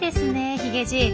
ヒゲじい。